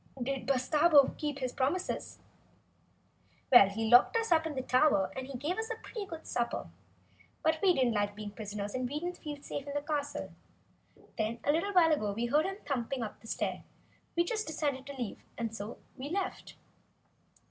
Did Bustabo keep his promises?" "Well, he locked us up in the tower, and he gave us a pretty good supper," answered Dorothy. "But we didn't like being prisoners, and we didn't feel safe in that castle. Then, a little while ago when we heard him thumping up the stair we just decided to leave! And so we left!"